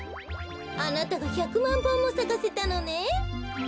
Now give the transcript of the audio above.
あなたが１００まんぼんもさかせたのねん。